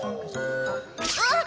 あっ！